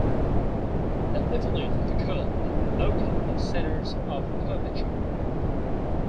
The evolute of a curve is the locus of centers of curvature.